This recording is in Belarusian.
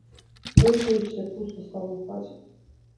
Выйшлі ўсе, пуста стала ў хаце.